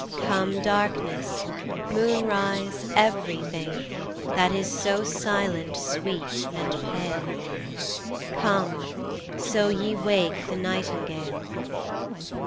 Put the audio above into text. Come darkness, moonrise, every thing That is so silent, sweet, and pale: Come, so ye wake the nightingale.